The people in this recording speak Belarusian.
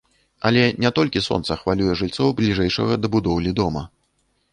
Але не толькі сонца хвалюе жыльцоў бліжэйшага да будоўлі дома.